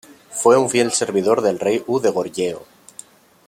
Fue un fiel servidor del rey U de Goryeo.